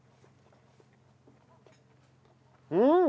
うん！